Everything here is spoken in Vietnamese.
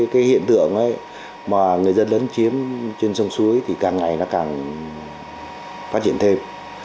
cái hiện tượng mà người dân lấn chiếm trên sông suối thì càng ngày nó càng phát triển thêm